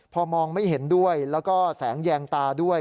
พอมองไม่เห็นด้วยแล้วก็แสงแยงตาด้วย